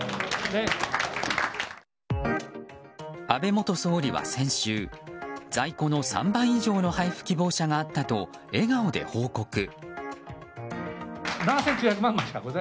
安倍元総理は先週在庫の３倍以上の配布希望者があったと笑顔で報告。